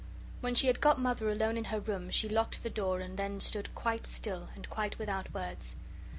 When she had got Mother alone in her room she locked the door and then stood quite still, and quite without words.